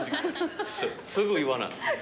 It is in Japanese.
すぐ言わな。